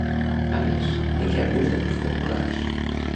A més, de què acusen els populars?